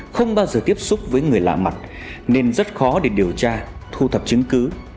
không bao giờ tiếp xúc với người lạ mặt nên rất khó để điều tra thu thập chứng cứ